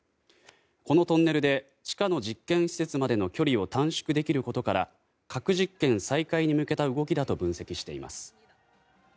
このトンネルで地下の実験施設までの距離を短縮できることから核実験再開に向けた動きだと分析しています。